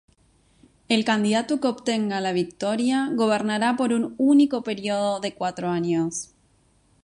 El candidato que obtenga la victoria gobernará por un único periodo de cuatro años.